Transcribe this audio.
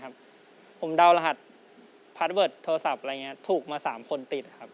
ผมเดารหัสพาร์ทเวิร์ดโทรศัพท์ถูกมา๓คนติด